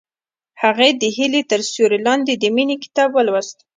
هغې د هیلې تر سیوري لاندې د مینې کتاب ولوست.